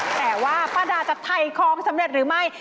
แต่ว่าป้าดาจะไถ่ของสำเร็จหรือไม่